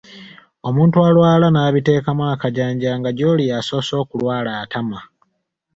Omuntu alwala n’abiteekamu akajanja nga gy’oli y’asoose okulwala atama.